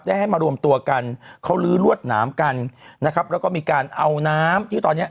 ให้มารวมตัวกันเขาลื้อรวดหนามกันนะครับแล้วก็มีการเอาน้ำที่ตอนเนี้ย